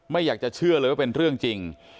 อยากจะเชื่อเลยว่าเป็นเรื่องจริง